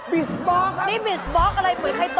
บีสบองครับนี่บีสบองอะไรเหมือนไข่ตด